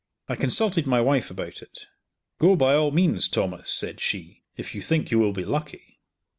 I consulted my wife about it. "Go by all means, Thomas," said she, "If you think you will be lucky."